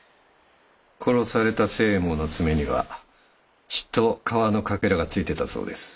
殺された星右衛門の爪には血と皮のかけらがついてたそうです。